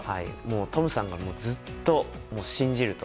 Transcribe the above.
トムさんがずっと信じると。